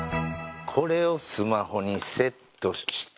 これをスマホにセットして。